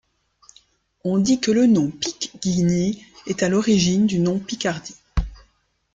On dit que le nom Picquigny est à l'origine du nom Picardie.